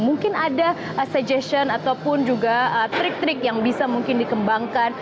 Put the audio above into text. mungkin ada suggestion ataupun juga trik trik yang bisa mungkin dikembangkan